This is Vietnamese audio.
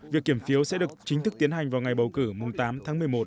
việc kiểm phiếu sẽ được chính thức tiến hành vào ngày bầu cử mùng tám tháng một mươi một